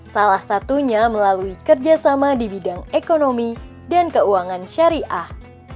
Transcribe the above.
salah satunya melalui kerjasama di bidang ekonomi dan keuangan syariah